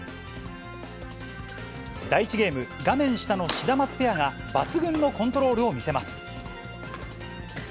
第１ゲーム、画面下のシダマツペアが、抜群のコントロールを見せます。